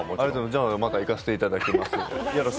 じゃあ、また行かせていただきます。